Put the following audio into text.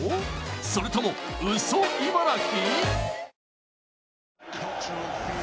それともウソ茨城？